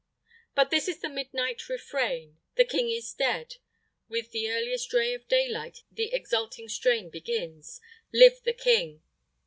But this is the midnight refrain The King is dead! With the earliest ray of daylight the exulting strain begins Live the King!